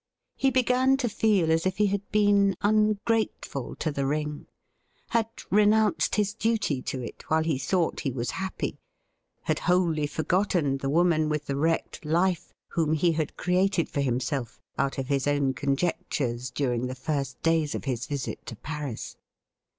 He began to feel as if he had been ungrateful to the ring — ^had re nounced his duty to it while he thought he was happy — had wholly forgotten the woman with the wrecked life whom he had created for himself out of his own conjec tures during the first days of his visit to Paris.